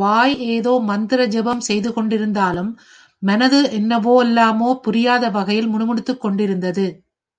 வாய் ஏதோ மந்திர ஜபம் செய்து கொண்டிருந்தாலும், மனது என்னவெல்லாமோ புரியாத வகையில் முணுமுணுத்துக் கொண்டிருந்தது.